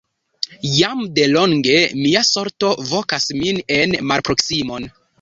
Jam de longe mia sorto vokas min en malproksimon!